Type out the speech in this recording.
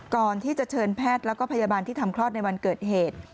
ก่อนที่จะเชิญแพทย์แล้วก็พยาบาลที่ทำคลอดในวันเกิดเหตุ